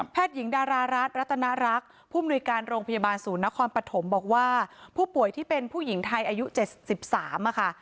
หญิงดารารัฐรัตนรักษ์ผู้มนุยการโรงพยาบาลศูนย์นครปฐมบอกว่าผู้ป่วยที่เป็นผู้หญิงไทยอายุ๗๓ค่ะ